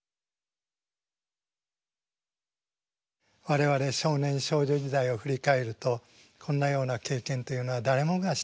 我々少年少女時代を振り返るとこんなような経験というのは誰もがしている。